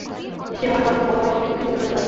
সে মনে মনে বড় অস্বস্তি বোধ করিতে লাগিল।